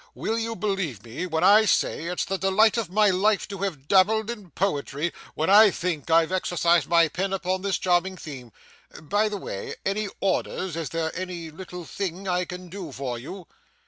'Will you believe me when I say it's the delight of my life to have dabbled in poetry, when I think I've exercised my pen upon this charming theme? By the way any orders? Is there any little thing I can do for you?